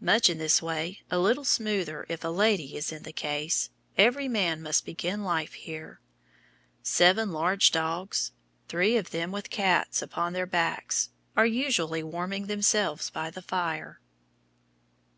Much in this way (a little smoother if a lady is in the case) every man must begin life here. Seven large dogs three of them with cats upon their backs are usually warming themselves at the fire.